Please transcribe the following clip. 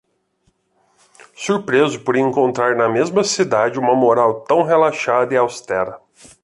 Surpreso por encontrar na mesma cidade uma moral tão relaxada e austera.